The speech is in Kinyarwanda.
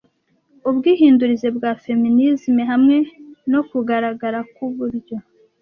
ubwihindurize bwa feminism, hamwe no kugaragara k'uburyo